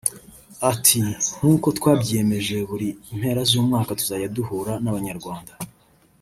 Ati “Nkuko twabyiyemeje buri mpera z’umwaka tuzajyaduhura n’abanyarwanda